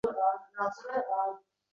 Falak hukmi — adolat.